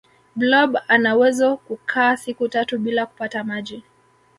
blob anawezo kukaa siku tatu bila kupata maji